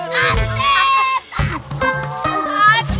hah hah hah